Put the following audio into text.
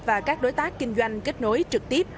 và các đối tác kinh doanh kết nối trực tiếp